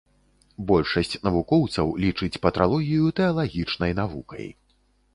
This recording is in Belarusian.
Большасць навукоўцаў лічыць патралогію тэалагічнай навукай.